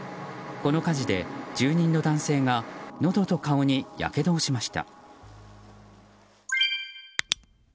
この火事で住人の男性がのどと顔にやけどをしました。